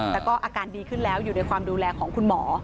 แต่ก็อาการดีขึ้นแล้วอยู่ในความดูแลของคุณหมอ